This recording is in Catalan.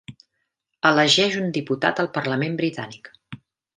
Elegeix un diputat al Parlament britànic.